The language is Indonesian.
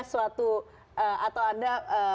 suatu atau anda